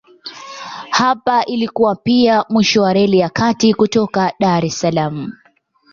Hapa ilikuwa pia mwisho wa Reli ya Kati kutoka Dar es Salaam.